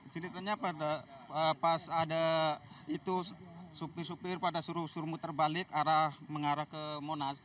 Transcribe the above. ceritanya pada pas ada itu supir supir pada suruh suruh muter balik mengarah ke monas